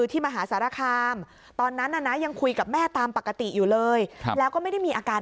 มหาสารคามตอนนั้นน่ะนะยังคุยกับแม่ตามปกติอยู่เลยแล้วก็ไม่ได้มีอาการ